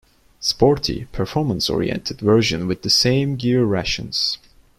Sporty, performance-oriented version with the same gear rations.